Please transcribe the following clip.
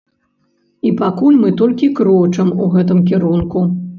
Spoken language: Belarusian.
І пакуль мы толькі крочым у гэтым кірунку.